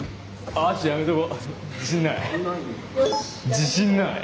自信ない。